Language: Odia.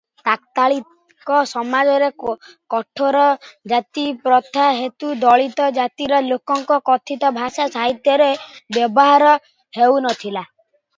ତାତ୍କାଳୀକ ସମାଜରେ କଠୋର ଜାତିପ୍ରଥା ହେତୁ ଦଳିତ ଜାତିର ଲୋକଙ୍କ କଥିତ ଭାଷା ସାହିତ୍ୟରେ ବ୍ୟବହାର ହେଉନଥିଲା ।